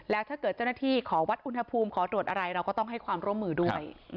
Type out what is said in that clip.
แล้วถ้าเกิดเจ้าหน้าที่ขอวัดอุณหภูมิขอตรวจอะไรเราก็ต้องให้ความร่วมมือด้วย